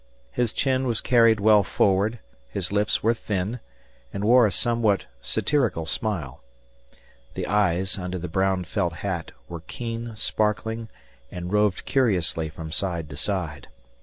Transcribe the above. His chin was carried well forward; his lips were thin, and wore a somewhat satirical smile; the eyes, under the brown felt hat, were keen, sparkling, and roved curiously from side to side.